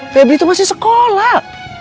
febri itu masih sekolah